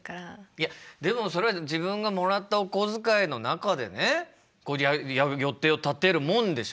いやでもそれは自分がもらったお小遣いの中でね予定を立てるもんでしょ。